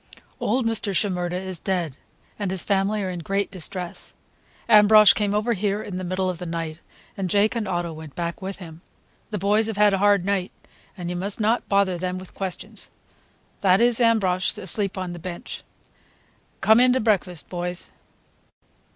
Old Mr. Shimerda is dead, and his family are in great distress. Ambrosch came over here in the middle of the night, and Jake and Otto went back with him. The boys have had a hard night, and you must not bother them with questions. That is Ambrosch, asleep on the bench. Come in to breakfast, boys."